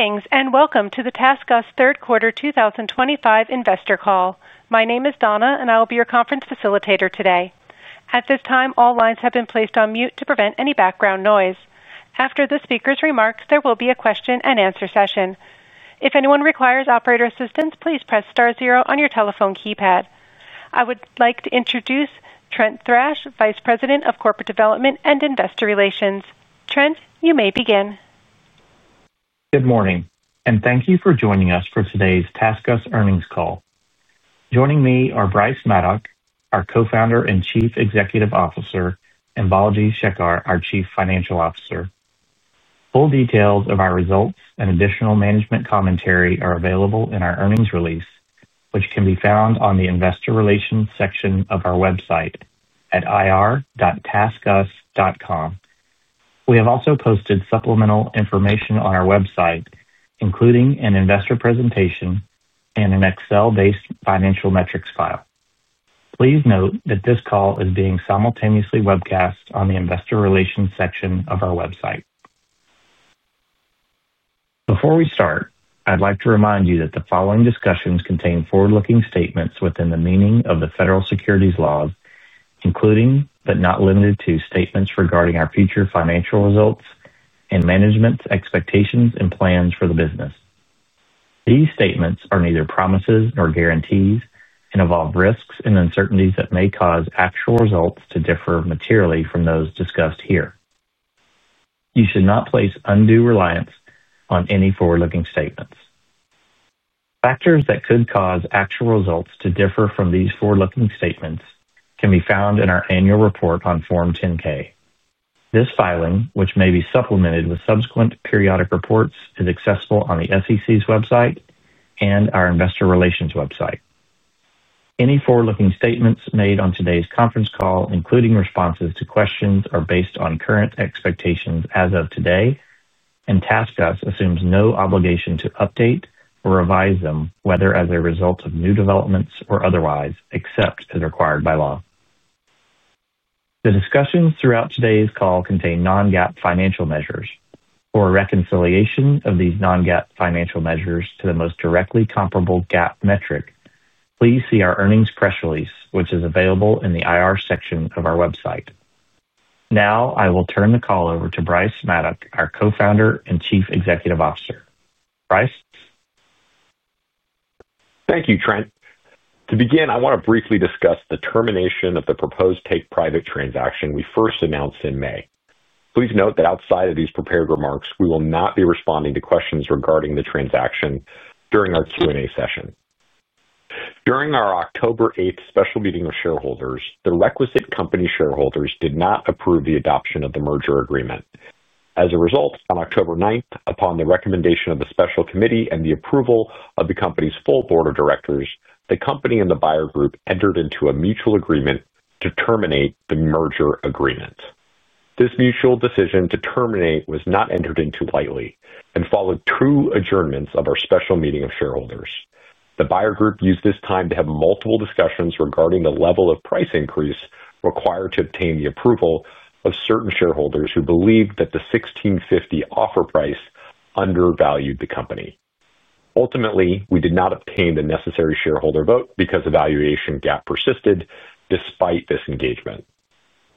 Greetings and welcome to the TaskUs Third Quarter 2025 Investor Call. My name is Donna, and I will be your conference facilitator today. At this time, all lines have been placed on mute to prevent any background noise. After the speaker's remarks, there will be a question-and-answer session. If anyone requires operator assistance, please press star zero on your telephone keypad. I would like to introduce Trent Thrash, Vice President of Corporate Development and Investor Relations. Trent, you may begin. Good morning, and thank you for joining us for today's TaskUs Earnings Call. Joining me are Bryce Maddock, our Co-Founder and Chief Executive Officer, and Balaji Sekar, our Chief Financial Officer. Full details of our results and additional management commentary are available in our earnings release, which can be found on the Investor Relations section of our website at ir-taskus.com. We have also posted supplemental information on our website, including an investor presentation and an Excel-based financial metrics file. Please note that this call is being simultaneously webcast on the Investor Relations section of our website. Before we start, I'd like to remind you that the following discussions contain forward-looking statements within the meaning of the federal securities laws, including but not limited to statements regarding our future financial results and management expectations and plans for the business. These statements are neither promises nor guarantees and involve risks and uncertainties that may cause actual results to differ materially from those discussed here. You should not place undue reliance on any forward-looking statements. Factors that could cause actual results to differ from these forward-looking statements can be found in our annual report on Form 10-K. This filing, which may be supplemented with subsequent periodic reports, is accessible on the SEC's website and our Investor Relations website. Any forward-looking statements made on today's conference call, including responses to questions, are based on current expectations as of today, and TaskUs assumes no obligation to update or revise them, whether as a result of new developments or otherwise, except as required by law. The discussions throughout today's call contain non-GAAP financial measures. For a reconciliation of these non-GAAP financial measures to the most directly comparable GAAP metric, please see our earnings press release, which is available in the IR section of our website. Now, I will turn the call over to Bryce Maddock, our Co-Founder and Chief Executive Officer. Bryce? Thank you, Trent. To begin, I want to briefly discuss the termination of the proposed take-private transaction we first announced in May. Please note that outside of these prepared remarks, we will not be responding to questions regarding the transaction during our Q&A session. During our October 8th special meeting of shareholders, the requisite company shareholders did not approve the adoption of the merger agreement. As a result, on October 9th, upon the recommendation of the special committee and the approval of the company's full board of directors, the company and the buyer group entered into a mutual agreement to terminate the merger agreement. This mutual decision to terminate was not entered into lightly and followed true adjournments of our special meeting of shareholders. The buyer group used this time to have multiple discussions regarding the level of price increase required to obtain the approval of certain shareholders who believed that the $1,650 offer price undervalued the company. Ultimately, we did not obtain the necessary shareholder vote because the valuation gap persisted despite this engagement.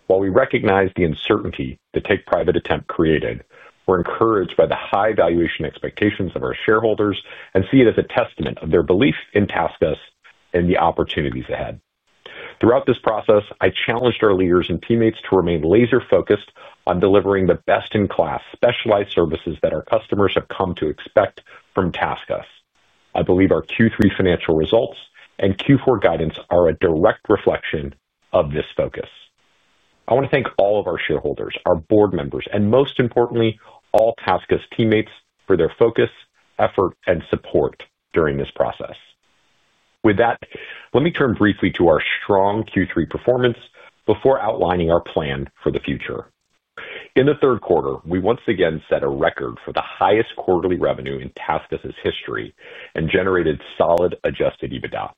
While we recognize the uncertainty the take-private attempt created, we're encouraged by the high valuation expectations of our shareholders and see it as a testament of their belief in TaskUs and the opportunities ahead. Throughout this process, I challenged our leaders and teammates to remain laser-focused on delivering the best-in-class specialized services that our customers have come to expect from TaskUs. I believe our Q3 financial results and Q4 guidance are a direct reflection of this focus. I want to thank all of our shareholders, our board members, and most importantly, all TaskUs teammates for their focus, effort, and support during this process. With that, let me turn briefly to our strong Q3 performance before outlining our plan for the future. In the third quarter, we once again set a record for the highest quarterly revenue in TaskUs' history and generated solid adjusted EBITDA.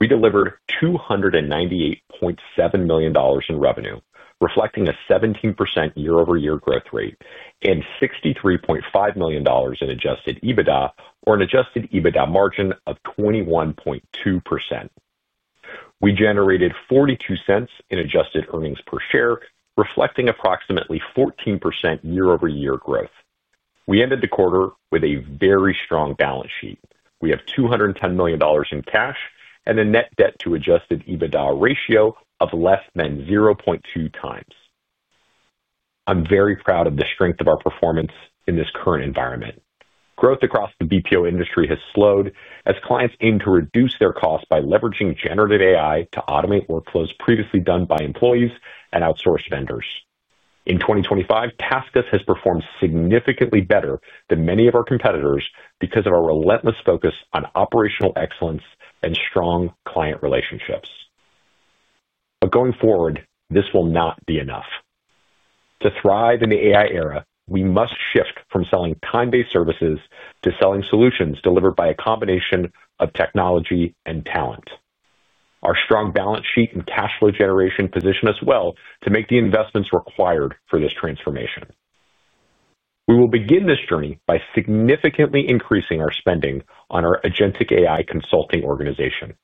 We delivered $298.7 million in revenue, reflecting a 17% year-over-year growth rate, and $63.5 million in adjusted EBITDA, or an adjusted EBITDA margin of 21.2%. We generated $0.42 in adjusted earnings per share, reflecting approximately 14% year-over-year growth. We ended the quarter with a very strong balance sheet. We have $210 million in cash and a net debt-to-adjusted EBITDA ratio of less than 0.2 times. I'm very proud of the strength of our performance in this current environment. Growth across the BPO industry has slowed as clients aim to reduce their costs by leveraging generative AI to automate workflows previously done by employees and outsourced vendors. In 2025, TaskUs has performed significantly better than many of our competitors because of our relentless focus on operational excellence and strong client relationships. Going forward, this will not be enough. To thrive in the AI era, we must shift from selling time-based services to selling solutions delivered by a combination of technology and talent. Our strong balance sheet and cash flow generation position us well to make the investments required for this transformation. We will begin this journey by significantly increasing our spending on our agentic AI consulting organization.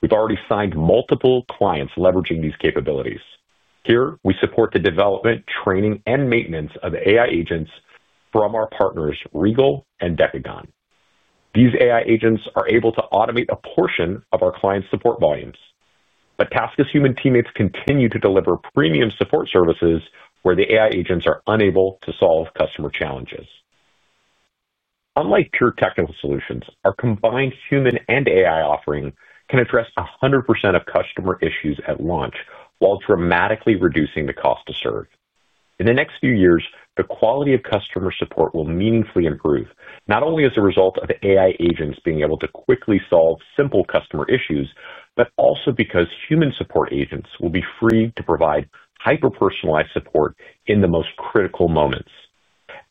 We've already signed multiple clients leveraging these capabilities. Here, we support the development, training, and maintenance of AI agents from our partners, Regal and Decagon. These AI agents are able to automate a portion of our client support volumes, but TaskUs' human teammates continue to deliver premium support services where the AI agents are unable to solve customer challenges. Unlike pure technical solutions, our combined human and AI offering can address 100% of customer issues at launch while dramatically reducing the cost to serve. In the next few years, the quality of customer support will meaningfully improve, not only as a result of AI agents being able to quickly solve simple customer issues, but also because human support agents will be free to provide hyper-personalized support in the most critical moments.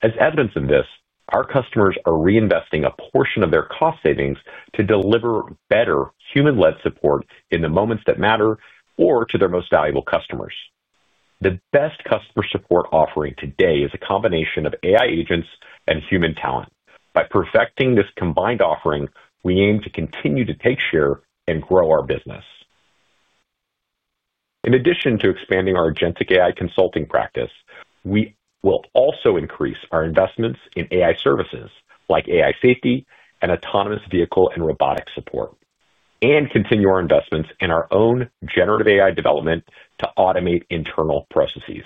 As evidence of this, our customers are reinvesting a portion of their cost savings to deliver better human-led support in the moments that matter or to their most valuable customers. The best customer support offering today is a combination of AI agents and human talent. By perfecting this combined offering, we aim to continue to take share and grow our business. In addition to expanding our agentic AI consulting practice, we will also increase our investments in AI services like AI safety and autonomous vehicle and robotics support, and continue our investments in our own generative AI development to automate internal processes.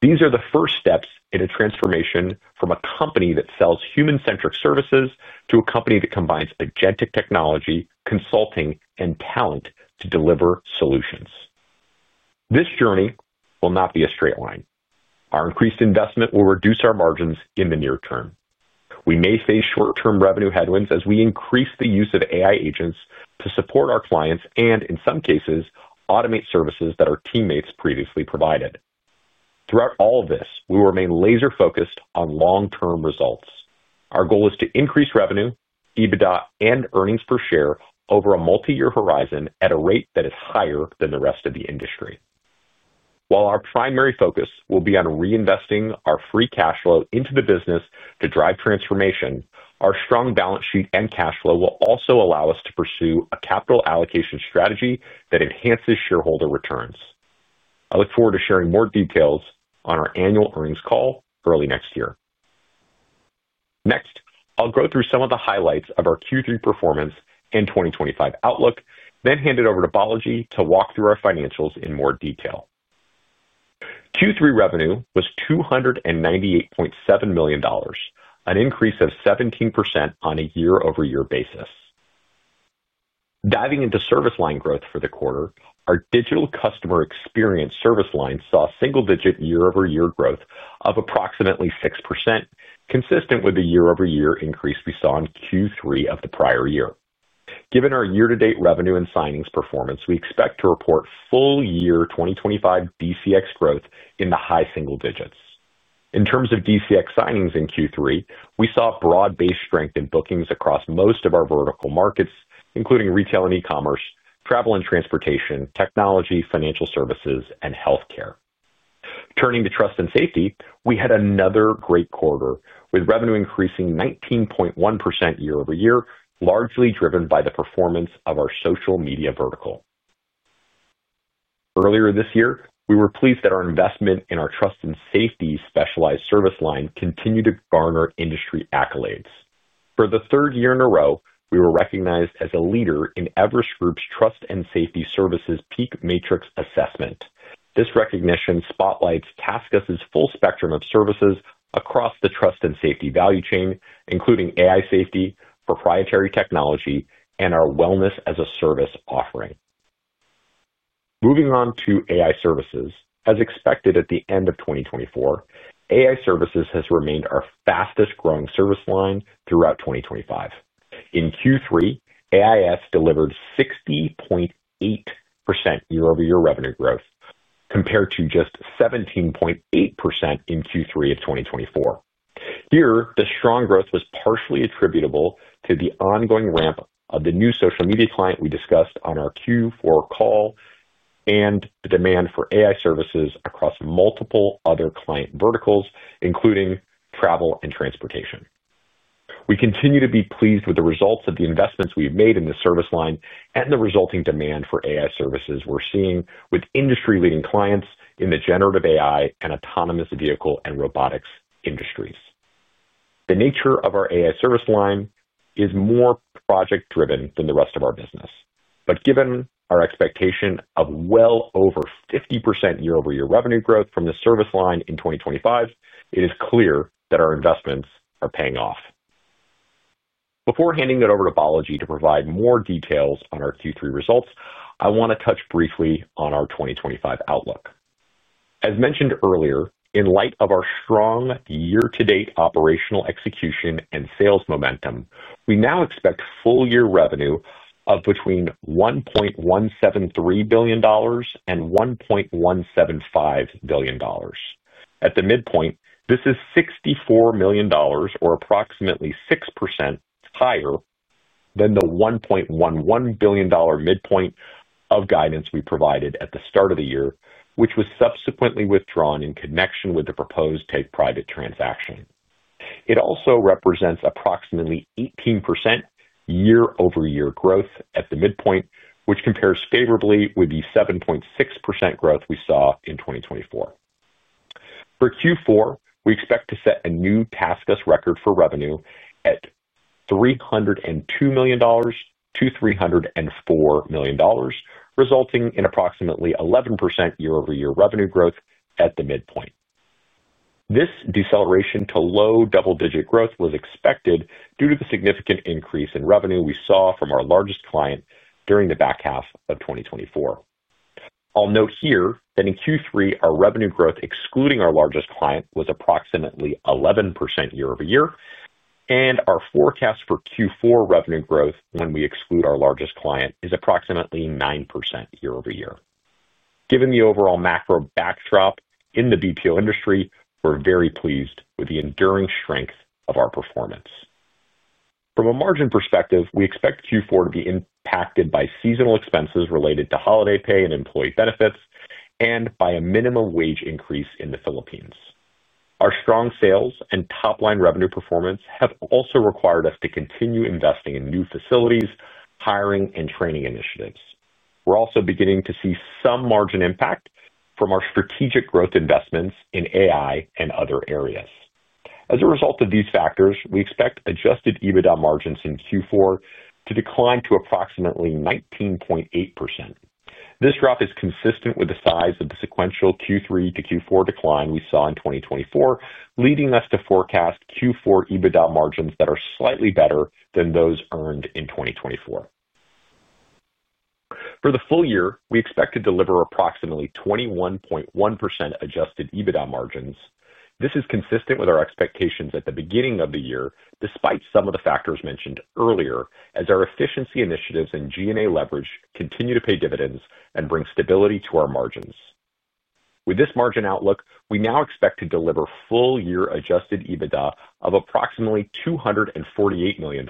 These are the first steps in a transformation from a company that sells human-centric services to a company that combines agentic technology, consulting, and talent to deliver solutions. This journey will not be a straight line. Our increased investment will reduce our margins in the near term. We may face short-term revenue headwinds as we increase the use of AI agents to support our clients and, in some cases, automate services that our teammates previously provided. Throughout all of this, we will remain laser-focused on long-term results. Our goal is to increase revenue, EBITDA, and earnings per share over a multi-year horizon at a rate that is higher than the rest of the industry. While our primary focus will be on reinvesting our free cash flow into the business to drive transformation, our strong balance sheet and cash flow will also allow us to pursue a capital allocation strategy that enhances shareholder returns. I look forward to sharing more details on our annual earnings call early next year. Next, I'll go through some of the highlights of our Q3 performance and 2025 outlook, then hand it over to Balaji to walk through our financials in more detail. Q3 revenue was $298.7 million, an increase of 17% on a year-over-year basis. Diving into service line growth for the quarter, our Digital Customer Experience service line saw single-digit year-over-year growth of approximately 6%, consistent with the year-over-year increase we saw in Q3 of the prior year. Given our year-to-date revenue and signings performance, we expect to report full-year 2025 DCX growth in the high single digits. In terms of DCX signings in Q3, we saw broad-based strength in bookings across most of our vertical markets, including retail and e-commerce, travel and transportation, technology, financial services, and healthcare. Turning to Trust and Safety, we had another great quarter with revenue increasing 19.1% year-over-year, largely driven by the performance of our social media vertical. Earlier this year, we were pleased that our investment in our Trust and Safety specialized service line continued to garner industry accolades. For the third year in a row, we were recognized as a leader in Everest Group's Trust and Safety Services PEAK Matrix Assessment. This recognition spotlights TaskUs' full spectrum of services across the trust and safety value chain, including AI safety, proprietary technology, and our Wellness as a Service offering. Moving on to AI services, as expected at the end of 2024, AI services has remained our fastest-growing service line throughout 2025. In Q3, AI services delivered 60.8% year-over-year revenue growth, compared to just 17.8% in Q3 of 2024. Here, the strong growth was partially attributable to the ongoing ramp of the new social media client we discussed on our Q4 call and the demand for AI services across multiple other client verticals, including travel and transportation. We continue to be pleased with the results of the investments we've made in the service line and the resulting demand for AI services we're seeing with industry-leading clients in the generative AI and autonomous vehicle and robotics industries. The nature of our AI service line is more project-driven than the rest of our business, but given our expectation of well over 50% year-over-year revenue growth from the service line in 2025, it is clear that our investments are paying off. Before handing it over to Balaji to provide more details on our Q3 results, I want to touch briefly on our 2025 outlook. As mentioned earlier, in light of our strong year-to-date operational execution and sales momentum, we now expect full-year revenue of between $1.173 billion and $1.175 billion. At the midpoint, this is $64 million, or approximately 6% higher than the $1.11 billion midpoint of guidance we provided at the start of the year, which was subsequently withdrawn in connection with the proposed take-private transaction. It also represents approximately 18% year-over-year growth at the midpoint, which compares favorably with the 7.6% growth we saw in 2024. For Q4, we expect to set a new TaskUs record for revenue at $302 million-$304 million, resulting in approximately 11% year-over-year revenue growth at the midpoint. This deceleration to low double-digit growth was expected due to the significant increase in revenue we saw from our largest client during the back half of 2024. I'll note here that in Q3, our revenue growth excluding our largest client was approximately 11% year-over-year, and our forecast for Q4 revenue growth when we exclude our largest client is approximately 9% year-over-year. Given the overall macro backdrop in the BPO industry, we're very pleased with the enduring strength of our performance. From a margin perspective, we expect Q4 to be impacted by seasonal expenses related to holiday pay and employee benefits, and by a minimum wage increase in the Philippines. Our strong sales and top-line revenue performance have also required us to continue investing in new facilities, hiring, and training initiatives. We're also beginning to see some margin impact from our strategic growth investments in AI and other areas. As a result of these factors, we expect adjusted EBITDA margins in Q4 to decline to approximately 19.8%. This drop is consistent with the size of the sequential Q3 to Q4 decline we saw in 2024, leading us to forecast Q4 EBITDA margins that are slightly better than those earned in 2024. For the full year, we expect to deliver approximately 21.1% adjusted EBITDA margins. This is consistent with our expectations at the beginning of the year, despite some of the factors mentioned earlier, as our efficiency initiatives and G&A leverage continue to pay dividends and bring stability to our margins. With this margin outlook, we now expect to deliver full-year adjusted EBITDA of approximately $248 million,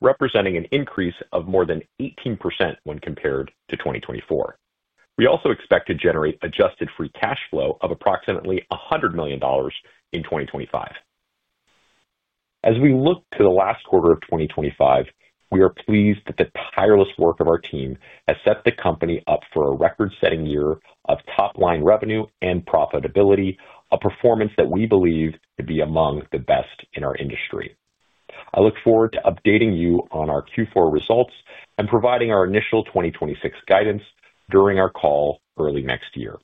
representing an increase of more than 18% when compared to 2024. We also expect to generate adjusted free cash flow of approximately $100 million in 2025. As we look to the last quarter of 2025, we are pleased that the tireless work of our team has set the company up for a record-setting year of top-line revenue and profitability, a performance that we believe to be among the best in our industry. I look forward to updating you on our Q4 results and providing our initial 2026 guidance during our call early next year.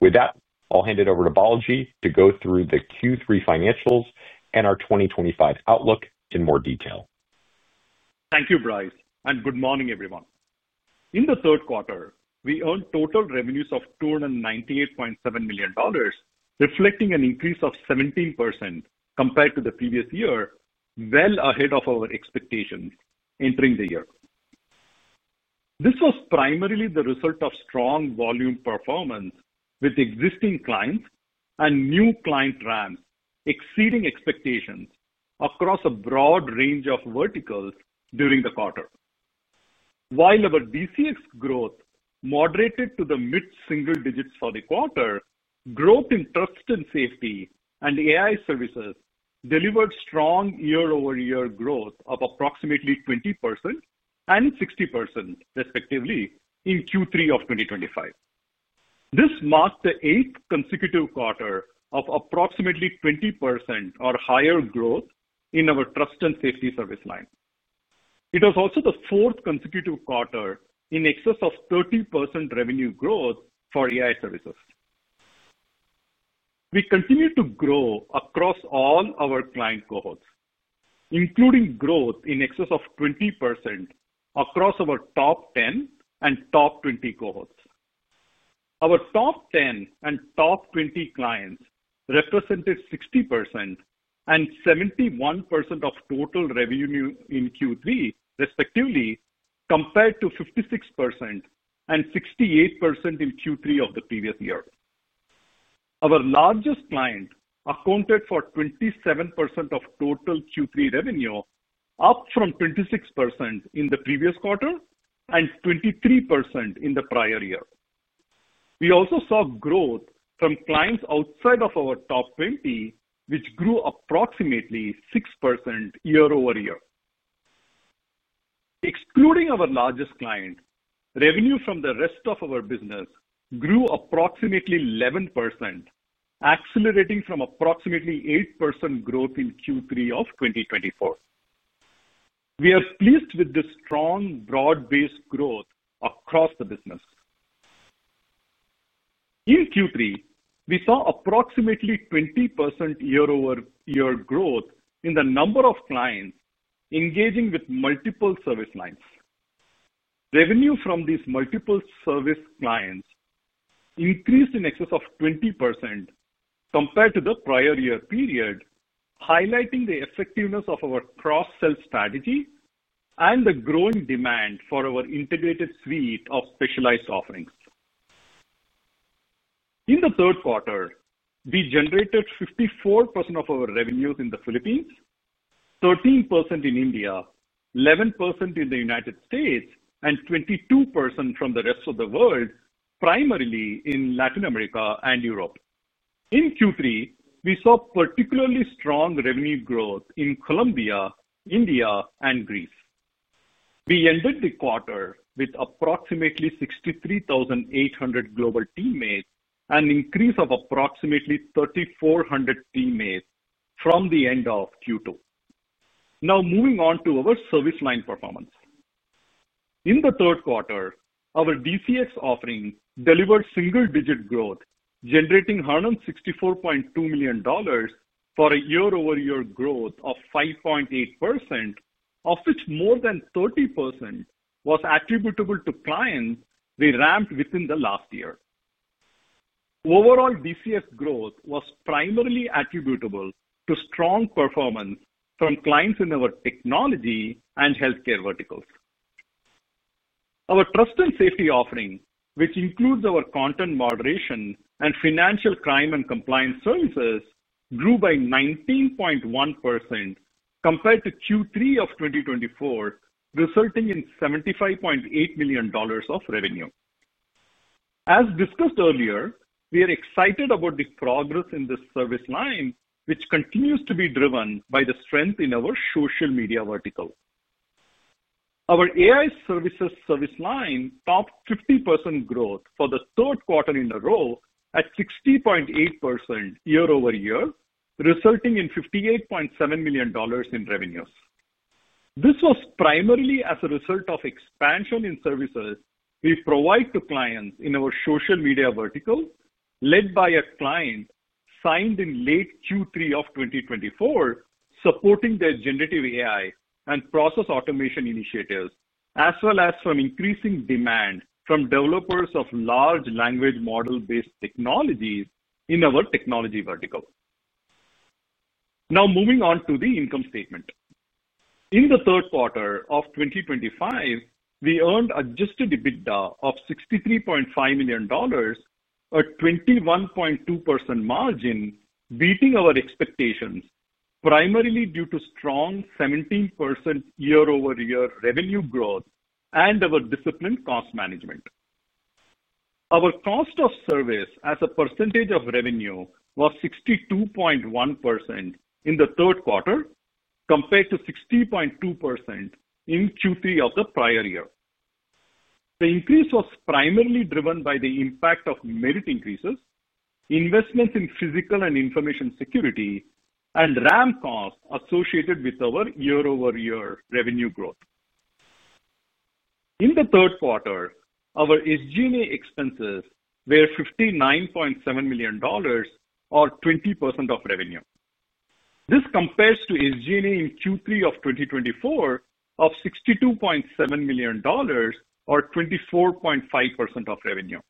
With that, I'll hand it over to Balaji to go through the Q3 financials and our 2025 outlook in more detail. Thank you, Bryce, and good morning, everyone. In the third quarter, we earned total revenues of $298.7 million, reflecting an increase of 17% compared to the previous year, well ahead of our expectations entering the year. This was primarily the result of strong volume performance with existing clients and new client ramps exceeding expectations across a broad range of verticals during the quarter. While our DCX growth moderated to the mid-single digits for the quarter, growth in Trust and Safety and AI services delivered strong year-over-year growth of approximately 20% and 60%, respectively, in Q3 of 2025. This marked the eighth consecutive quarter of approximately 20% or higher growth in our Trust and Safety service line. It was also the fourth consecutive quarter in excess of 30% revenue growth for AI services. We continued to grow across all our client cohorts, including growth in excess of 20% across our top 10 and top 20 cohorts. Our top 10 and top 20 clients represented 60% and 71% of total revenue in Q3, respectively, compared to 56% and 68% in Q3 of the previous year. Our largest client accounted for 27% of total Q3 revenue, up from 26% in the previous quarter and 23% in the prior year. We also saw growth from clients outside of our top 20, which grew approximately 6% year-over-year. Excluding our largest client, revenue from the rest of our business grew approximately 11%, accelerating from approximately 8% growth in Q3 of 2024. We are pleased with the strong broad-based growth across the business. In Q3, we saw approximately 20% year-over-year growth in the number of clients engaging with multiple service lines. Revenue from these multiple service clients increased in excess of 20% compared to the prior year period, highlighting the effectiveness of our cross-sell strategy and the growing demand for our integrated suite of specialized offerings. In the third quarter, we generated 54% of our revenues in the Philippines, 13% in India, 11% in the United States, and 22% from the rest of the world, primarily in Latin America and Europe. In Q3, we saw particularly strong revenue growth in Colombia, India, and Greece. We ended the quarter with approximately 63,800 global teammates and an increase of approximately 3,400 teammates from the end of Q2. Now, moving on to our service line performance. In the third quarter, our DCX offering delivered single-digit growth, generating $164.2 million for a year-over-year growth of 5.8%, of which more than 30% was attributable to clients we ramped within the last year. Overall, DCX growth was primarily attributable to strong performance from clients in our technology and healthcare verticals. Our Trust and Safety offering, which includes our content moderation and financial crime and compliance services, grew by 19.1% compared to Q3 of 2024, resulting in $75.8 million of revenue. As discussed earlier, we are excited about the progress in the service line, which continues to be driven by the strength in our social media vertical. Our AI services service line topped 50% growth for the third quarter in a row at 60.8% year-over-year, resulting in $58.7 million in revenues. This was primarily as a result of expansion in services we provide to clients in our social media vertical, led by a client signed in late Q3 of 2024, supporting their generative AI and process automation initiatives, as well as from increasing demand from developers of large language model-based technologies in our technology vertical. Now, moving on to the income statement. In the third quarter of 2025, we earned adjusted EBITDA of $63.5 million, a 21.2% margin, beating our expectations, primarily due to strong 17% year-over-year revenue growth and our disciplined cost management. Our cost of service as a percentage of revenue was 62.1% in the third quarter, compared to 60.2% in Q3 of the prior year. The increase was primarily driven by the impact of merit increases, investments in physical and information security, and ramp costs associated with our year-over-year revenue growth. In the third quarter, our SG&A expenses were $59.7 million, or 20% of revenue. This compares to SG&A in Q3 of 2024 of $62.7 million, or 24.5% of revenue.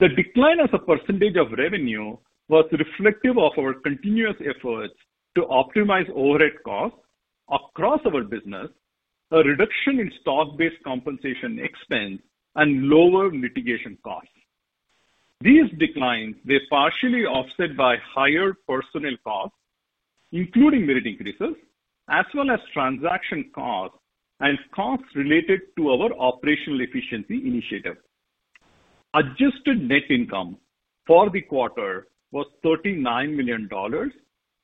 The decline as a percentage of revenue was reflective of our continuous efforts to optimize overhead costs across our business, a reduction in stock-based compensation expense, and lower mitigation costs. These declines were partially offset by higher personnel costs, including merit increases, as well as transaction costs and costs related to our operational efficiency initiative. Adjusted net income for the quarter was $39 million,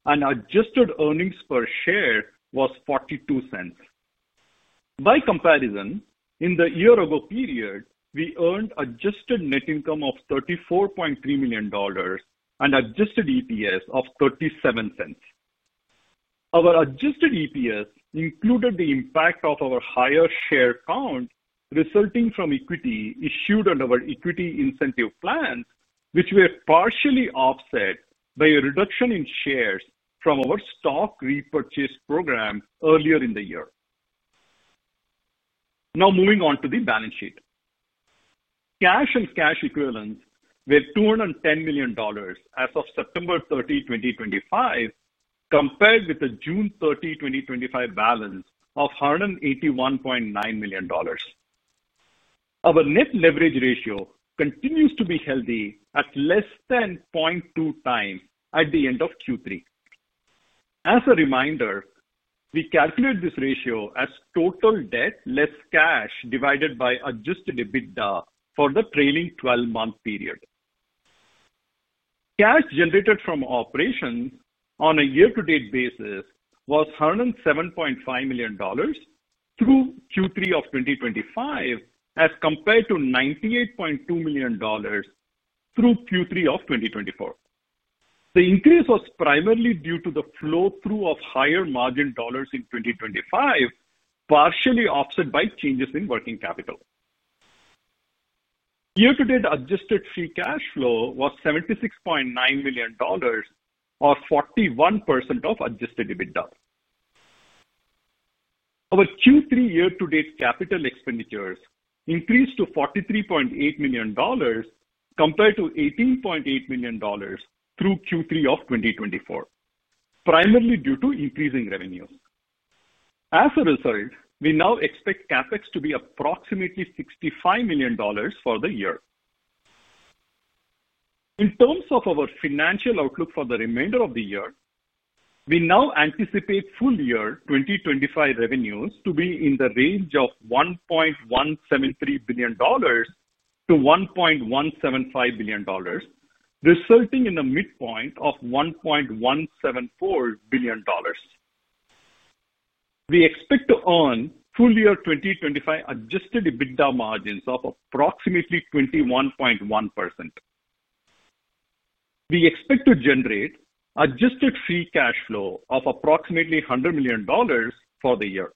and adjusted earnings per share was $0.42. By comparison, in the year-ago period, we earned adjusted net income of $34.3 million and adjusted EPS of $0.37. Our adjusted EPS included the impact of our higher share count resulting from equity issued on our equity incentive plans, which were partially offset by a reduction in shares from our stock repurchase program earlier in the year. Now, moving on to the balance sheet. Cash and cash equivalents were $210 million as of September 30, 2025, compared with the June 30, 2025, balance of $181.9 million. Our net leverage ratio continues to be healthy at less than 0.2 times at the end of Q3. As a reminder, we calculate this ratio as total debt less cash divided by adjusted EBITDA for the trailing 12-month period. Cash generated from operations on a year-to-date basis was $107.5 million through Q3 of 2025, as compared to $98.2 million through Q3 of 2024. The increase was primarily due to the flow-through of higher margin dollars in 2025, partially offset by changes in working capital. Year-to-date adjusted free cash flow was $76.9 million, or 41% of adjusted EBITDA. Our Q3 year-to-date capital expenditures increased to $43.8 million compared to $18.8 million through Q3 of 2024, primarily due to increasing revenues. As a result, we now expect CapEx to be approximately $65 million for the year. In terms of our financial outlook for the remainder of the year, we now anticipate full year 2025 revenues to be in the range of $1.173 billion-$1.175 billion, resulting in a midpoint of $1.174 billion. We expect to earn full year 2025 adjusted EBITDA margins of approximately 21.1%. We expect to generate adjusted free cash flow of approximately $100 million for the year.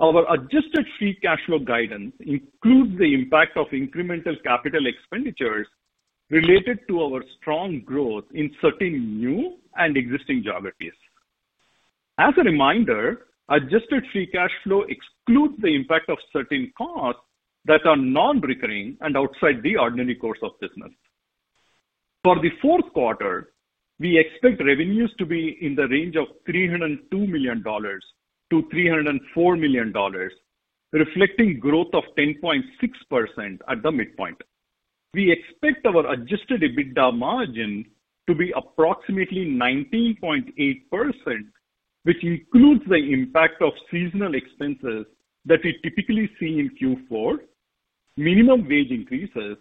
Our adjusted free cash flow guidance includes the impact of incremental capital expenditures related to our strong growth in certain new and existing geographies. As a reminder, adjusted free cash flow excludes the impact of certain costs that are non-recurring and outside the ordinary course of business. For the fourth quarter, we expect revenues to be in the range of $302 million-$304 million, reflecting growth of 10.6% at the midpoint. We expect our adjusted EBITDA margin to be approximately 19.8%, which includes the impact of seasonal expenses that we typically see in Q4, minimum wage increases,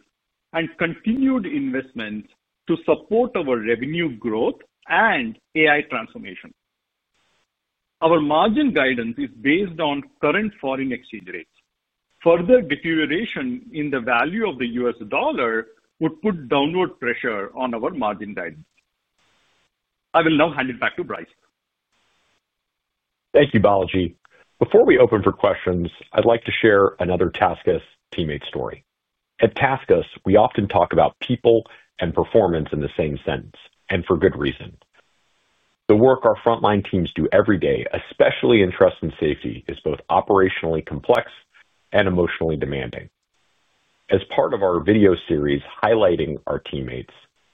and continued investments to support our revenue growth and AI transformation. Our margin guidance is based on current foreign exchange rates. Further deterioration in the value of the U.S. dollar would put downward pressure on our margin guidance. I will now hand it back to Bryce. Thank you, Balaji. Before we open for questions, I'd like to share another TaskUs teammate story. At TaskUs, we often talk about people and performance in the same sentence, and for good reason. The work our frontline teams do every day, especially in Trust and Safety, is both operationally complex and emotionally demanding. As part of our video series highlighting our teammates,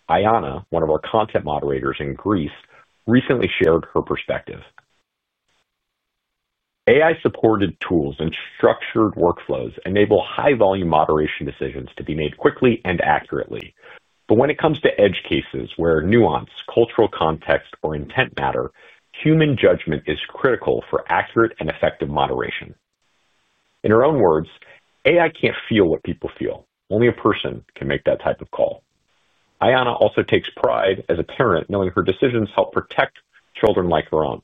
Ayana, one of our content moderators in Greece, recently shared her perspective. AI-supported tools and structured workflows enable high-volume moderation decisions to be made quickly and accurately. When it comes to edge cases where nuance, cultural context, or intent matter, human judgment is critical for accurate and effective moderation. In her own words, "AI can't feel what people feel. Only a person can make that type of call." Ayana also takes pride as a parent, knowing her decisions help protect children like her own.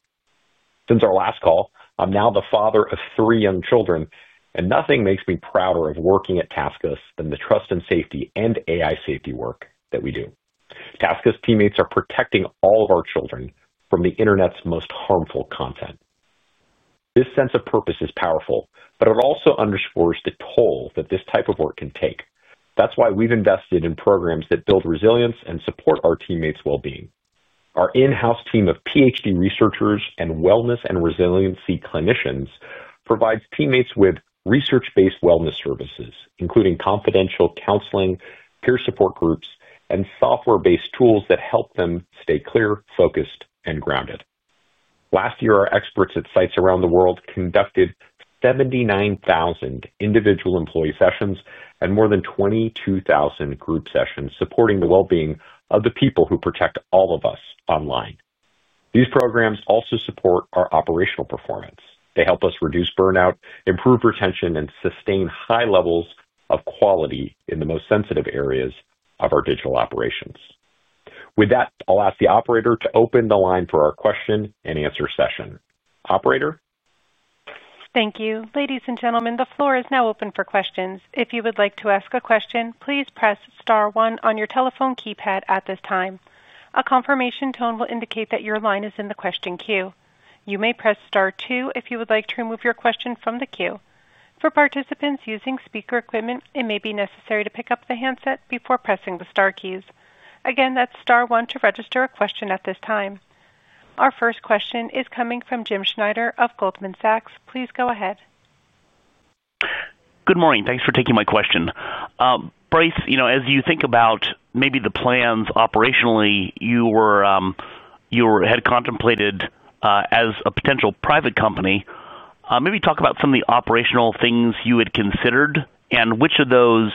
Since our last call, I'm now the father of three young children, and nothing makes me prouder of working at TaskUs than the trust and safety and AI safety work that we do. TaskUs teammates are protecting all of our children from the internet's most harmful content. This sense of purpose is powerful, but it also underscores the toll that this type of work can take. That's why we've invested in programs that build resilience and support our teammates' well-being. Our in-house team of Ph.D. researchers and wellness and resiliency clinicians provides teammates with research-based wellness services, including confidential counseling, peer support groups, and software-based tools that help them stay clear, focused, and grounded. Last year, our experts at sites around the world conducted 79,000 individual employee sessions and more than 22,000 group sessions, supporting the well-being of the people who protect all of us online. These programs also support our operational performance. They help us reduce burnout, improve retention, and sustain high levels of quality in the most sensitive areas of our digital operations. With that, I'll ask the operator to open the line for our question-and-answer session. Operator? Thank you. Ladies and gentlemen, the floor is now open for questions. If you would like to ask a question, please press star one on your telephone keypad at this time. A confirmation tone will indicate that your line is in the question queue. You may press star two if you would like to remove your question from the queue. For participants using speaker equipment, it may be necessary to pick up the handset before pressing the star keys. Again, that's star one to register a question at this time. Our first question is coming from Jim Schneider of Goldman Sachs. Please go ahead. Good morning. Thanks for taking my question. Bryce, as you think about maybe the plans operationally you had contemplated as a potential private company, maybe talk about some of the operational things you had considered and which of those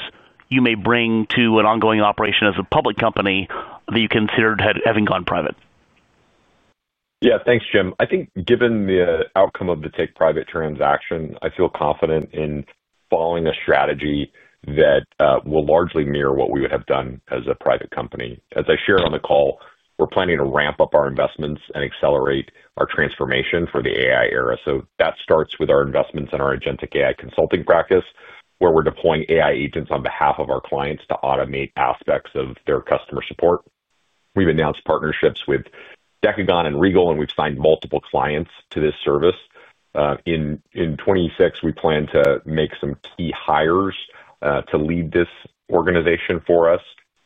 you may bring to an ongoing operation as a public company that you considered having gone private. Yeah. Thanks, Jim. I think given the outcome of the take-private transaction, I feel confident in following a strategy that will largely mirror what we would have done as a private company. As I shared on the call, we're planning to ramp up our investments and accelerate our transformation for the AI era. That starts with our investments in our agentic AI consulting practice, where we're deploying AI agents on behalf of our clients to automate aspects of their customer support. We've announced partnerships with Decagon and Regal, and we've signed multiple clients to this service. In 2026, we plan to make some key hires to lead this organization for us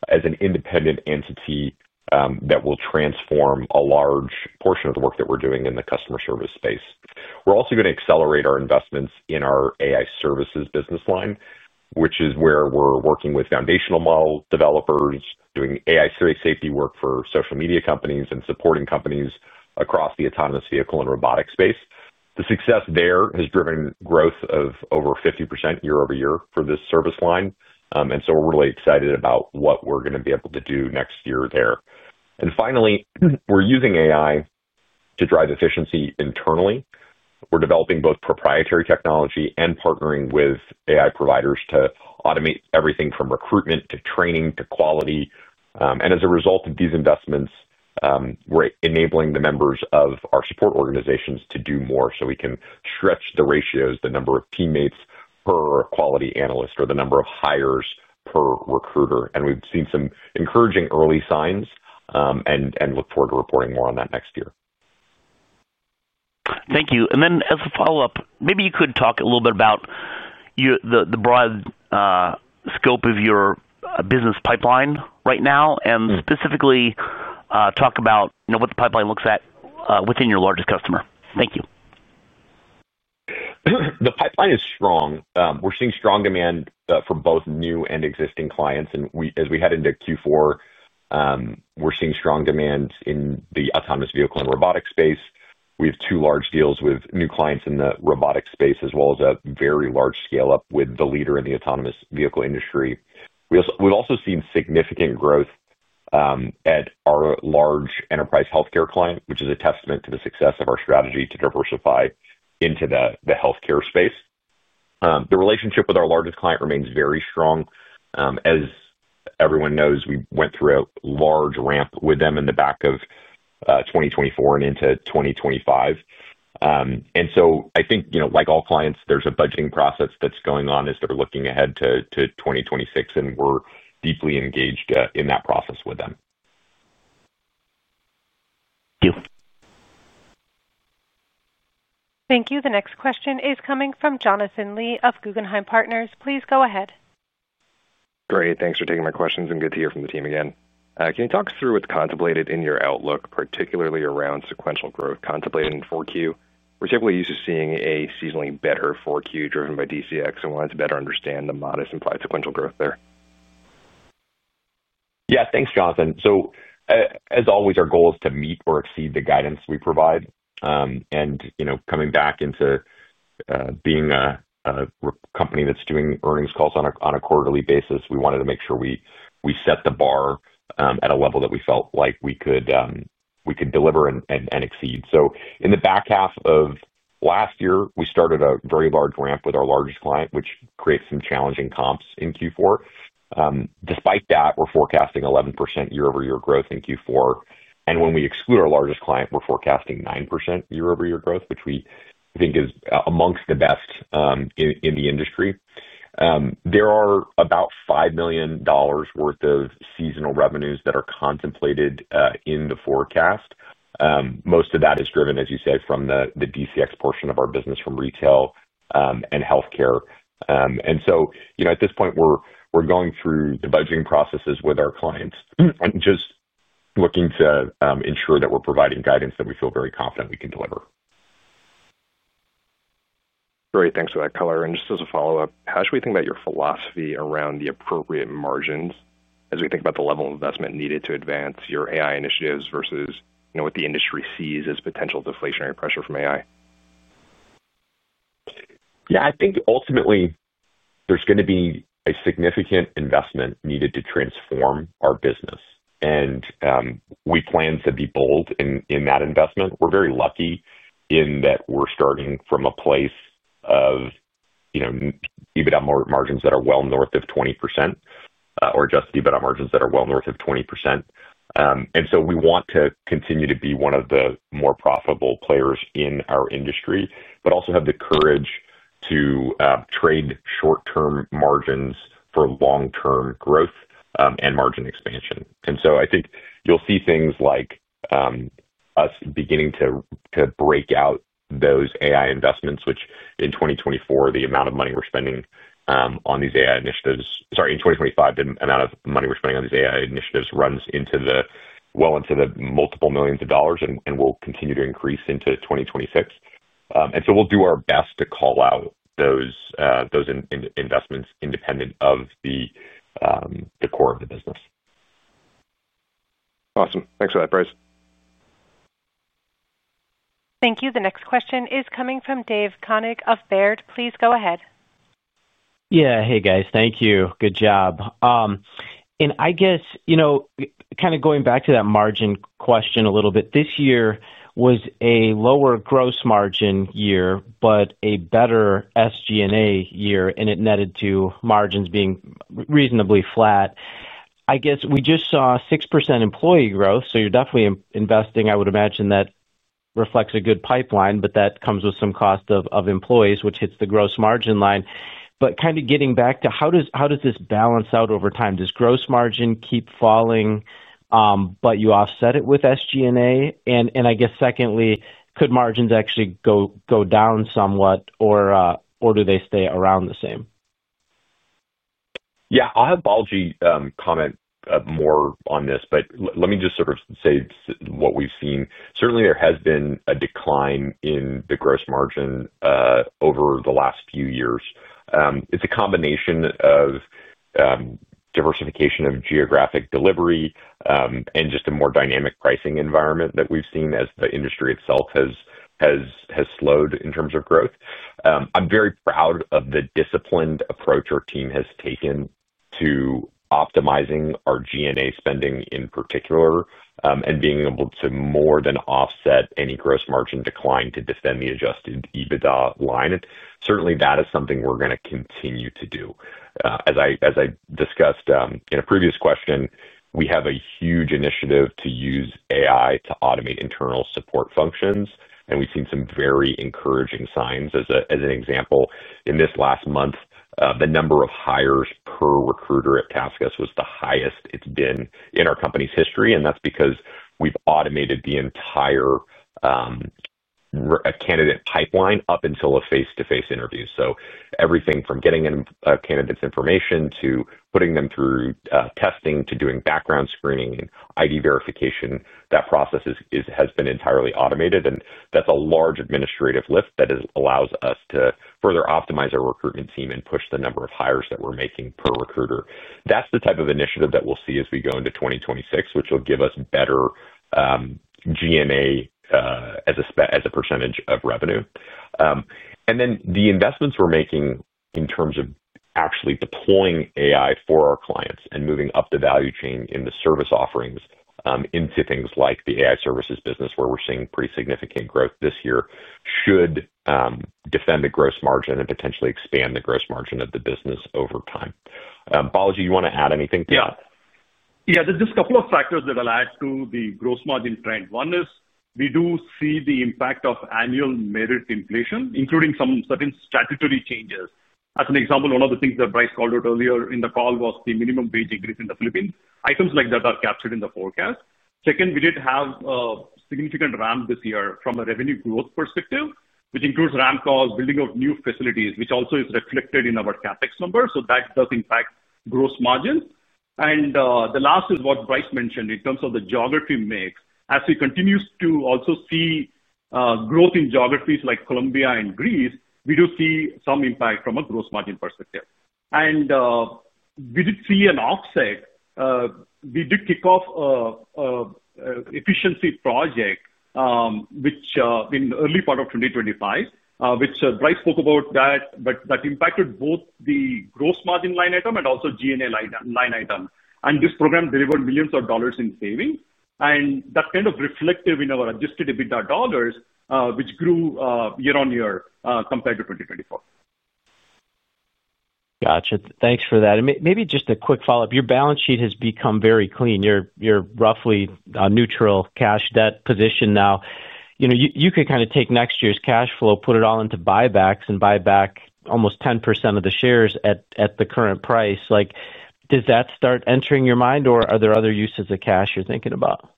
as an independent entity that will transform a large portion of the work that we're doing in the customer service space. We're also going to accelerate our investments in our AI services business line, which is where we're working with foundational model developers, doing AI safety work for social media companies and supporting companies across the autonomous vehicle and robotics space The success there has driven growth of over 50% year-over-year for this service line. We are really excited about what we're going to be able to do next year there. Finally, we're using AI to drive efficiency internally. We're developing both proprietary technology and partnering with AI providers to automate everything from recruitment to training to quality. As a result of these investments, we're enabling the members of our support organizations to do more so we can stretch the ratios, the number of teammates per quality analyst, or the number of hires per recruiter. We've seen some encouraging early signs and look forward to reporting more on that next year. Thank you. As a follow-up, maybe you could talk a little bit about the broad scope of your business pipeline right now and specifically talk about what the pipeline looks at within your largest customer. Thank you. The pipeline is strong. We're seeing strong demand from both new and existing clients. As we head into Q4, we're seeing strong demand in the autonomous vehicle and robotics space. We have two large deals with new clients in the robotics space, as well as a very large scale-up with the leader in the autonomous vehicle industry. We've also seen significant growth at our large enterprise healthcare client, which is a testament to the success of our strategy to diversify into the healthcare space. The relationship with our largest client remains very strong. As everyone knows, we went through a large ramp with them in the back of 2024 and into 2025. I think, like all clients, there's a budgeting process that's going on as they're looking ahead to 2026, and we're deeply engaged in that process with them. Thank you. Thank you. The next question is coming from Jonathan Lee of Guggenheim Partners. Please go ahead. Great. Thanks for taking my questions, and good to hear from the team again. Can you talk us through what's contemplated in your outlook, particularly around sequential growth contemplated in Q4? We're typically used to seeing a seasonally better Q4 driven by DCX, and we wanted to better understand the modest implied sequential growth there. Yeah. Thanks, Jonathan. As always, our goal is to meet or exceed the guidance we provide. Coming back into being a company that's doing earnings calls on a quarterly basis, we wanted to make sure we set the bar at a level that we felt like we could deliver and exceed. In the back half of last year, we started a very large ramp with our largest client, which creates some challenging comps in Q4. Despite that, we're forecasting 11% year-over-year growth in Q4. When we exclude our largest client, we're forecasting 9% year-over-year growth, which we think is amongst the best in the industry. There are about $5 million worth of seasonal revenues that are contemplated in the forecast. Most of that is driven, as you say, from the DCX portion of our business from retail and healthcare. At this point, we're going through the budgeting processes with our clients and just looking to ensure that we're providing guidance that we feel very confident we can deliver. Great. Thanks for that color. Just as a follow-up, how should we think about your philosophy around the appropriate margins as we think about the level of investment needed to advance your AI initiatives versus what the industry sees as potential deflationary pressure from AI? Yeah. I think ultimately, there's going to be a significant investment needed to transform our business. We plan to be bold in that investment. We're very lucky in that we're starting from a place of EBITDA margins that are well north of 20% or just EBITDA margins that are well north of 20%. We want to continue to be one of the more profitable players in our industry, but also have the courage to trade short-term margins for long-term growth and margin expansion. I think you'll see things like us beginning to break out those AI investments, which in 2024, the amount of money we're spending on these AI initiatives—sorry, in 2025, the amount of money we're spending on these AI initiatives runs well into the multiple millions of dollars and will continue to increase into 2026. We'll do our best to call out those investments independent of the core of the business. Awesome. Thanks for that, Bryce. Thank you. The next question is coming from Dave Koning of Baird. Please go ahead. Yeah. Hey, guys. Thank you. Good job. I guess kind of going back to that margin question a little bit, this year was a lower gross margin year, but a better SG&A year, and it netted to margins being reasonably flat. I guess we just saw 6% employee growth, so you're definitely investing. I would imagine that reflects a good pipeline, but that comes with some cost of employees, which hits the gross margin line. Kind of getting back to how does this balance out over time? Does gross margin keep falling, but you offset it with SG&A? I guess secondly, could margins actually go down somewhat, or do they stay around the same? Yeah. I'll have Balaji comment more on this, but let me just sort of say what we've seen. Certainly, there has been a decline in the gross margin over the last few years. It's a combination of diversification of geographic delivery and just a more dynamic pricing environment that we've seen as the industry itself has slowed in terms of growth. I'm very proud of the disciplined approach our team has taken to optimizing our G&A spending in particular and being able to more than offset any gross margin decline to defend the adjusted EBITDA line. That is something we're going to continue to do. As I discussed in a previous question, we have a huge initiative to use AI to automate internal support functions, and we've seen some very encouraging signs. As an example, in this last month, the number of hires per recruiter at TaskUs was the highest it's been in our company's history, and that's because we've automated the entire candidate pipeline up until a face-to-face interview. Everything from getting a candidate's information to putting them through testing to doing background screening and ID verification, that process has been entirely automated. That's a large administrative lift that allows us to further optimize our recruitment team and push the number of hires that we're making per recruiter. That's the type of initiative that we'll see as we go into 2026, which will give us better G&A as a percentage of revenue. The investments we're making in terms of actually deploying AI for our clients and moving up the value chain in the service offerings into things like the AI services business, where we're seeing pretty significant growth this year, should defend the gross margin and potentially expand the gross margin of the business over time. Balaji, you want to add anything to that? Yeah. There's just a couple of factors that allow us to the gross margin trend. One is we do see the impact of annual merit inflation, including some certain statutory changes. As an example, one of the things that Bryce called out earlier in the call was the minimum wage increase in the Philippines. Items like that are captured in the forecast. Second, we did have a significant ramp this year from a revenue growth perspective, which includes ramp calls, building of new facilities, which also is reflected in our CapEx numbers. That does impact gross margins. The last is what Bryce mentioned in terms of the geography mix. As we continue to also see growth in geographies like Colombia and Greece, we do see some impact from a gross margin perspective. We did see an offset. We did kick off an efficiency project in the early part of 2025, which Bryce spoke about, that impacted both the gross margin line item and also G&A line item. This program delivered millions of dollars in savings. That kind of reflected in our adjusted EBITDA dollars, which grew year-on-year compared to 2024. Gotcha. Thanks for that. Maybe just a quick follow-up. Your balance sheet has become very clean. You're roughly a neutral cash debt position now. You could kind of take next year's cash flow, put it all into buybacks, and buy back almost 10% of the shares at the current price. Does that start entering your mind, or are there other uses of cash you're thinking about?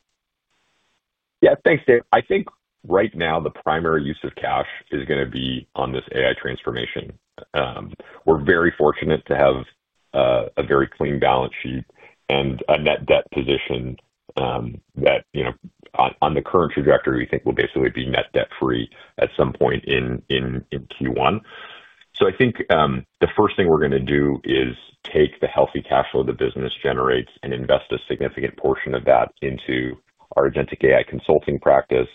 Yeah. Thanks, Dave. I think right now, the primary use of cash is going to be on this AI transformation. We're very fortunate to have a very clean balance sheet and a net debt position that, on the current trajectory, we think will basically be net debt-free at some point in Q1. I think the first thing we're going to do is take the healthy cash flow the business generates and invest a significant portion of that into our agentic AI consulting practice,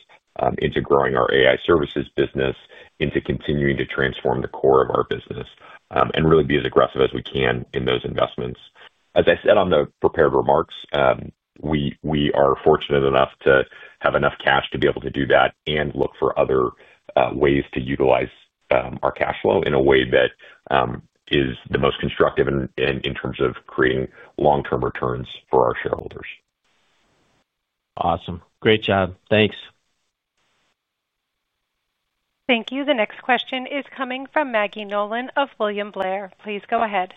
into growing our AI services business, into continuing to transform the core of our business, and really be as aggressive as we can in those investments. As I said on the prepared remarks, we are fortunate enough to have enough cash to be able to do that and look for other ways to utilize our cash flow in a way that is the most constructive in terms of creating long-term returns for our shareholders. Awesome. Great job. Thanks. Thank you. The next question is coming from Maggie Nolan of William Blair. Please go ahead.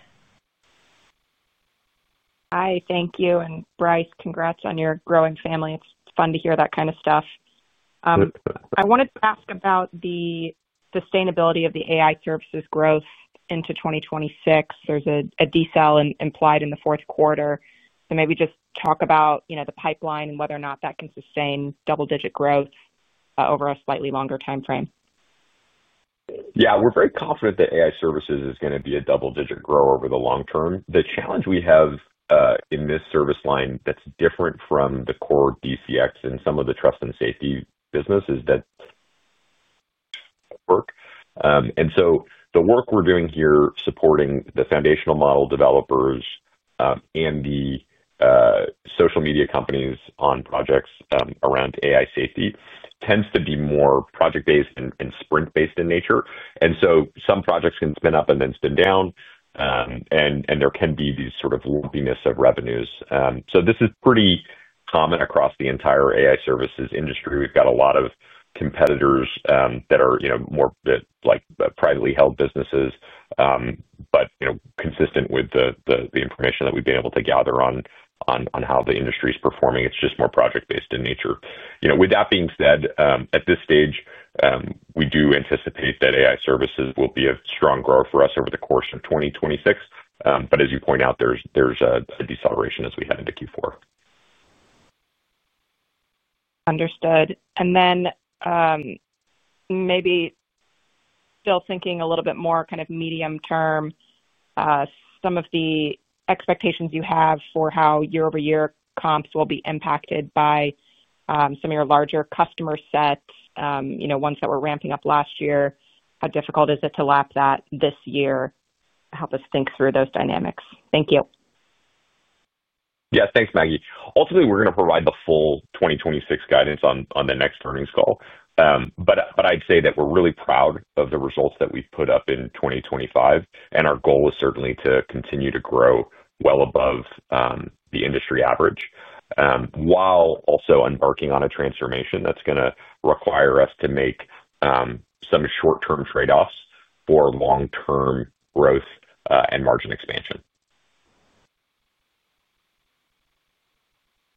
Hi. Thank you. And Bryce, congrats on your growing family. It's fun to hear that kind of stuff. I wanted to ask about the sustainability of the AI services growth into 2026. There's a decel implied in the fourth quarter. Maybe just talk about the pipeline and whether or not that can sustain double-digit growth over a slightly longer time frame. Yeah. We're very confident that AI services is going to be a double-digit grower over the long term. The challenge we have in this service line that's different from the core DCX and some of the trust and safety business is that work. The work we're doing here supporting the foundational model developers and the social media companies on projects around AI safety tends to be more project-based and sprint-based in nature. Some projects can spin up and then spin down, and there can be these sort of lumpiness of revenues. This is pretty common across the entire AI services industry. We've got a lot of competitors that are more privately held businesses, but consistent with the information that we've been able to gather on how the industry is performing. It's just more project-based in nature. With that being said, at this stage, we do anticipate that AI services will be a strong grow for us over the course of 2026. As you point out, there's a deceleration as we head into Q4. Understood. Maybe still thinking a little bit more kind of medium term, some of the expectations you have for how year-over-year comps will be impacted by some of your larger customer sets, ones that were ramping up last year. How difficult is it to lap that this year? Help us think through those dynamics. Thank you. Yeah. Thanks, Maggie. Ultimately, we're going to provide the full 2026 guidance on the next earnings call. I'd say that we're really proud of the results that we've put up in 2025, and our goal is certainly to continue to grow well above the industry average while also embarking on a transformation that's going to require us to make some short-term trade-offs for long-term growth and margin expansion.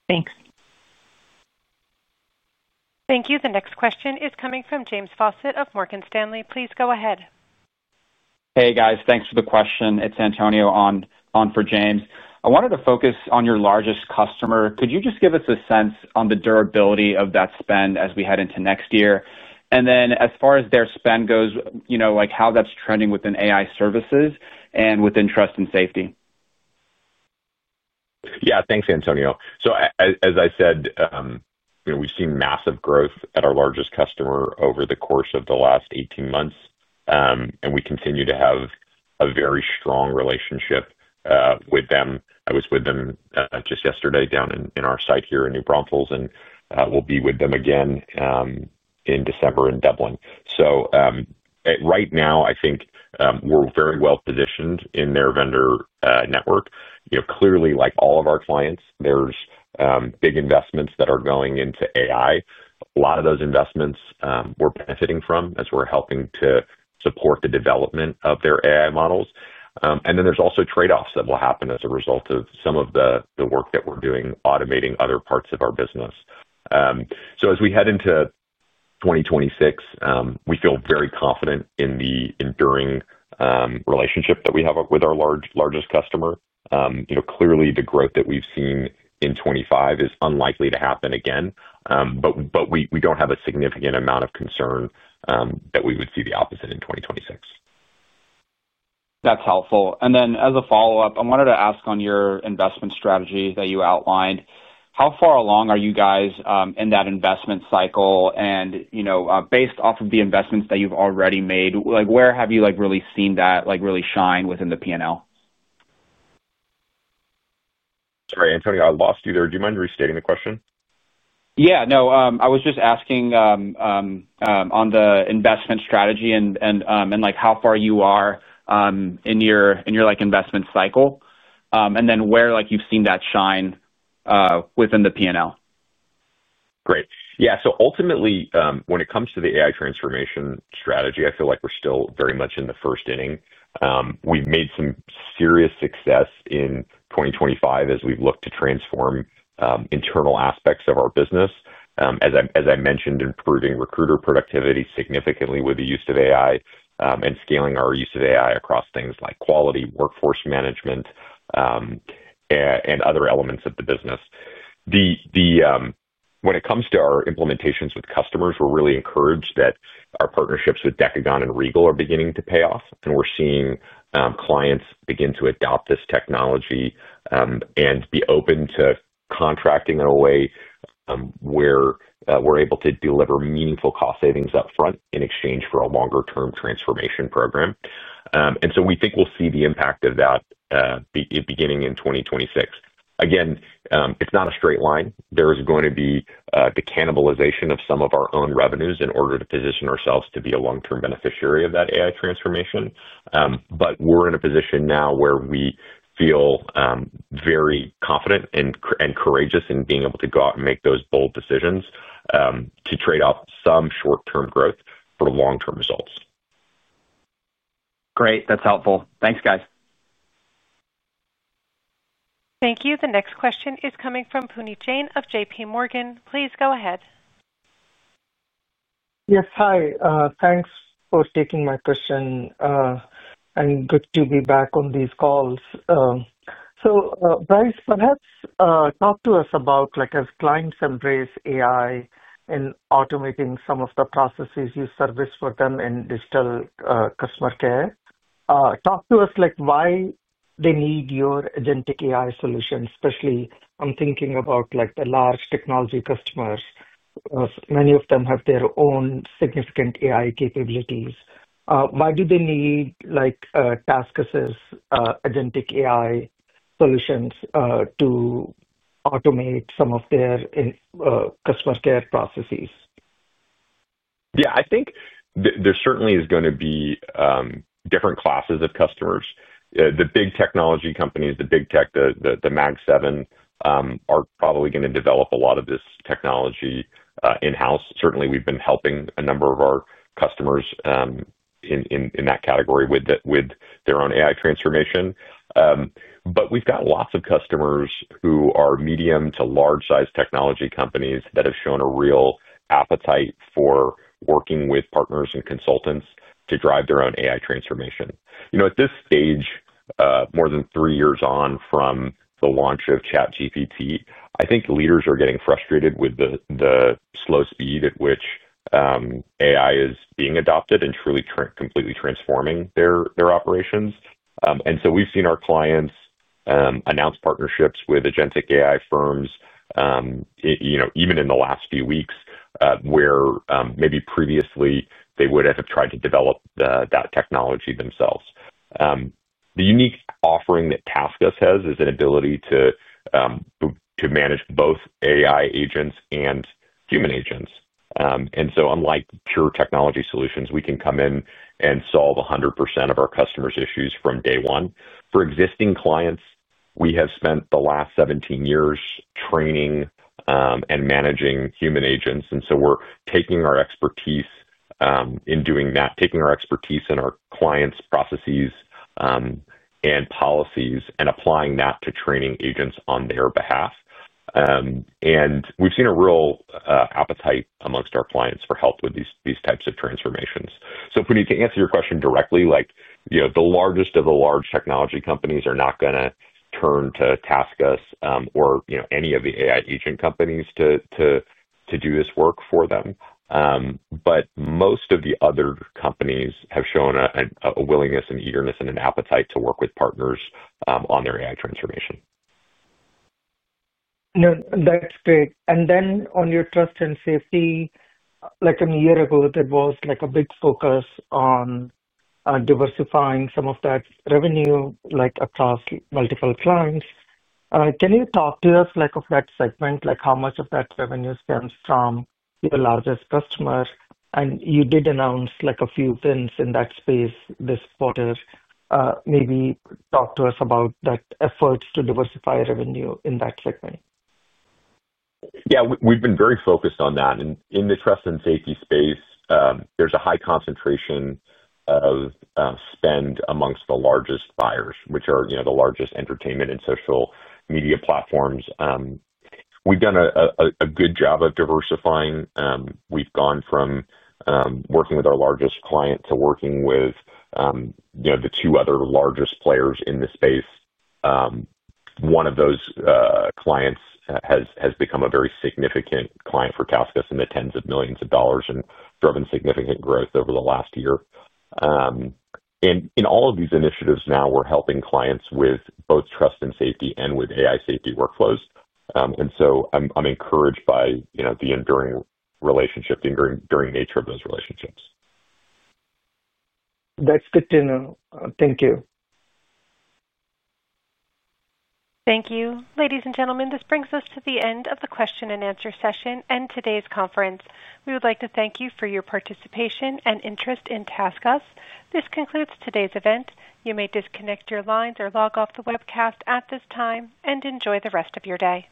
Thanks. Thank you. The next question is coming from James Faucette of Morgan Stanley. Please go ahead. Hey, guys. Thanks for the question. It's Antonio on for James. I wanted to focus on your largest customer. Could you just give us a sense on the durability of that spend as we head into next year? And then as far as their spend goes, how that's trending within AI services and within Trust and Safety? Yeah. Thanks, Antonio. As I said, we've seen massive growth at our largest customer over the course of the last 18 months, and we continue to have a very strong relationship with them. I was with them just yesterday down in our site here in New Braunfels, and we'll be with them again in December in Dublin. Right now, I think we're very well positioned in their vendor network. Clearly, like all of our clients, there's big investments that are going into AI. A lot of those investments we're benefiting from as we're helping to support the development of their AI models. Then there's also trade-offs that will happen as a result of some of the work that we're doing automating other parts of our business. As we head into 2026, we feel very confident in the enduring relationship that we have with our largest customer. Clearly, the growth that we've seen in 2025 is unlikely to happen again, but we don't have a significant amount of concern that we would see the opposite in 2026. That's helpful. As a follow-up, I wanted to ask on your investment strategy that you outlined. How far along are you guys in that investment cycle? Based off of the investments that you've already made, where have you really seen that really shine within the P&L? Sorry, Antonio. I lost you there. Do you mind restating the question? Yeah. No, I was just asking on the investment strategy and how far you are in your investment cycle and then where you've seen that shine within the P&L. Great. Yeah. Ultimately, when it comes to the AI transformation strategy, I feel like we're still very much in the first inning. We've made some serious success in 2025 as we've looked to transform internal aspects of our business, as I mentioned, improving recruiter productivity significantly with the use of AI and scaling our use of AI across things like quality workforce management and other elements of the business. When it comes to our implementations with customers, we're really encouraged that our partnerships with Decagon and Regal are beginning to pay off, and we're seeing clients begin to adopt this technology and be open to contracting in a way where we're able to deliver meaningful cost savings upfront in exchange for a longer-term transformation program. We think we'll see the impact of that beginning in 2026. Again, it's not a straight line. There is going to be the cannibalization of some of our own revenues in order to position ourselves to be a long-term beneficiary of that AI transformation. But we're in a position now where we feel very confident and courageous in being able to go out and make those bold decisions to trade off some short-term growth for long-term results. Great. That's helpful. Thanks, guys. Thank you. The next question is coming from Puneet Jain of JPMorgan. Please go ahead. Yes. Hi. Thanks for taking my question. And good to be back on these calls. So Bryce, perhaps talk to us about, as clients embrace AI and automating some of the processes you service for them in digital customer care, talk to us why they need your agentic AI solutions, especially I'm thinking about the large technology customers. Many of them have their own significant AI capabilities. Why do they need TaskUs agentic AI solutions to automate some of their customer care processes? Yeah. I think there certainly is going to be different classes of customers. The big technology companies, the big tech, the Mag 7, are probably going to develop a lot of this technology in-house. Certainly, we've been helping a number of our customers in that category with their own AI transformation. We've got lots of customers who are medium to large-sized technology companies that have shown a real appetite for working with partners and consultants to drive their own AI transformation. At this stage, more than three years on from the launch of ChatGPT, I think leaders are getting frustrated with the slow speed at which AI is being adopted and truly completely transforming their operations. We've seen our clients announce partnerships with agentic AI firms even in the last few weeks where maybe previously they would have tried to develop that technology themselves. The unique offering that TaskUs has is an ability to manage both AI agents and human agents. Unlike pure technology solutions, we can come in and solve 100% of our customers' issues from day one. For existing clients, we have spent the last 17 years training and managing human agents. We are taking our expertise in doing that, taking our expertise in our clients' processes and policies and applying that to training agents on their behalf. We have seen a real appetite amongst our clients for help with these types of transformations. Puneet, to answer your question directly, the largest of the large technology companies are not going to turn to TaskUs or any of the AI agent companies to do this work for them. Most of the other companies have shown a willingness and eagerness and an appetite to work with partners on their AI transformation. That's great. On your trust and safety, like a year ago, there was a big focus on diversifying some of that revenue across multiple clients. Can you talk to us of that segment, how much of that revenue stems from your largest customer? You did announce a few things in that space this quarter. Maybe talk to us about that effort to diversify revenue in that segment. Yeah. We've been very focused on that. In the trust and safety space, there's a high concentration of spend amongst the largest buyers, which are the largest entertainment and social media platforms. We've done a good job of diversifying. We've gone from working with our largest client to working with the two other largest players in the space. One of those clients has become a very significant client for TaskUs in the tens of millions of dollars and driven significant growth over the last year. In all of these initiatives now, we're helping clients with both trust and safety and with AI safety workflows. I'm encouraged by the enduring relationship, the enduring nature of those relationships. That's good to know. Thank you. Thank you. Ladies and gentlemen, this brings us to the end of the question-and-answer session and today's conference. We would like to thank you for your participation and interest in TaskUs. This concludes today's event. You may disconnect your lines or log off the webcast at this time and enjoy the rest of your day.